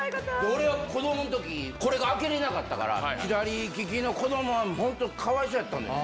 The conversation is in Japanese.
俺は子どものとき、これが開けれなかったから、左利きの子どもは本当、かわいそうやったんよ。